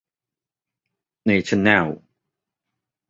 เนชั่นแนล